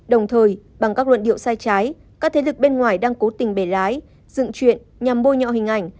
đồng thời bằng các luận điệu sai trái các thế lực bên ngoài đang cố tình bể lái dựng chuyện nhằm bôi nhọ hình ảnh